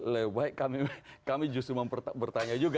loh baik kami justru mau bertanya juga